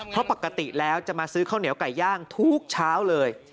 เพราะปกติแล้วจะมาซื้อข้าวเหนียวไก่ย่างทุกเช้าเลย